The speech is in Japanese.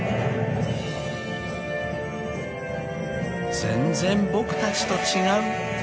［全然僕たちと違う］